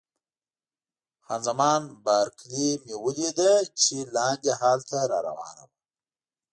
خان زمان بارکلي مې ولیده چې لاندې هال ته را روانه وه.